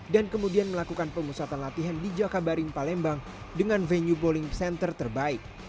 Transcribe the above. dan kemudian melakukan pemusatan latihan di jakabaring palembang dengan venue bowling center terbaik